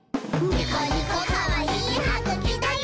ニコニコかわいいはぐきだよ！」